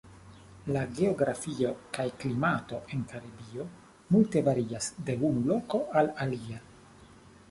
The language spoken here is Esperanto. La geografio kaj klimato en Karibio multe varias de unu loko al alia.